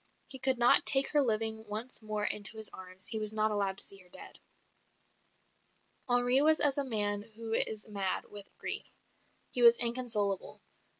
He could not take her living once more into his arms; he was not allowed to see her dead. Henri was as a man who is mad with grief; he was inconsolable..